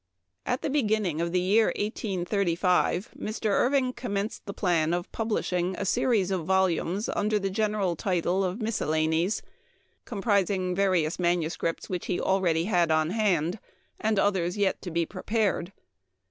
A T the beginning of the year 1835 Mr. Irv "*■*• ing commenced the plan of publishing a series of volumes under the general title of " Miscellanies," comprising various manuscripts which he already had on hand, and others yet to be prepared.